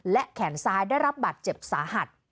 และแขนซ้ายได้รับบาดเจ็บสาหัส